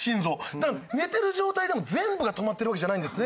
だから寝てる状態でも全部が止まってるわけじゃないんですね。